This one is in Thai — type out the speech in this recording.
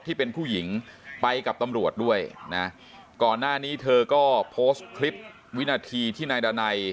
ที่เป็นผู้หญิงไปกับตำรวจด้วยนะก่อนหน้านี้เธอก็โพสต์คลิปวินาทีที่นายดานัย